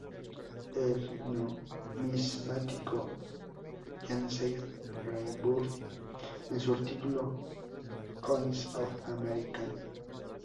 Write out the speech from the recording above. El numismático Yancey Rayburn, en su artículo "Coins of America's.